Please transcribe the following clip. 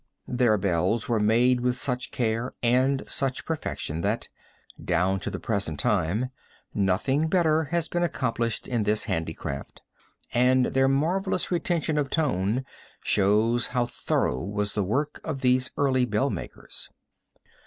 Their bells were made with such care and such perfection that, down to the present time, nothing better has been accomplished in this handicraft, and their marvelous retention of tone shows how thorough was the work of these early bell makers.